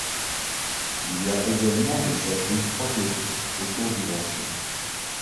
Il y a également les abris troglodytes autour du rocher.